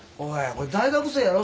これ大学生やろ？